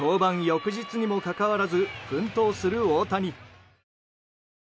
翌日にもかかわらず奮闘する大谷。